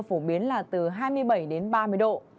phổ biến là từ hai mươi bảy đến ba mươi độ